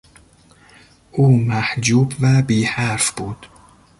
او محجوب و بی حرف بود.